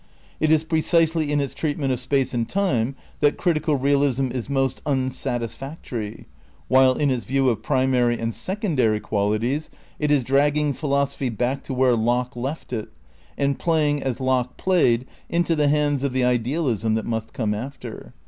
It is precisely in. its treatment of space and time that critical realism is most unsatisfactory; while, in its view of primary and secondary qualities it is drag ging philosophy back to where Locke left it, and play ing, as Locke played, into the hands of the idealism that must come after.